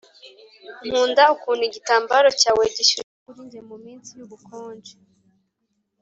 nkunda ukuntu igitambaro cyawe gishyushye kuri njye muminsi yubukonje